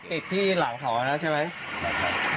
หักติดที่หลังเขาแล้วใช่ไหม